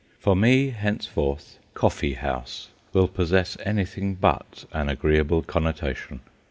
For me, henceforth, "coffee house" will possess anything but an agreeable connotation.